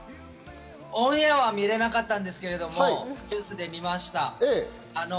オンエアは見られなかったんですが、ニュースで見ました。